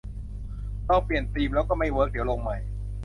ลองเปลี่ยนธีมแล้วก็ไม่เวิร์ก เดี๋ยวลงใหม่